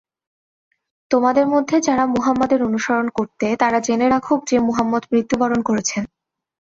তোমাদের মধ্যে যারা মুহাম্মাদের অনুসরণ করতে তারা জেনে রাখুক যে মুহাম্মাদ মৃত্যুবরণ করেছেন।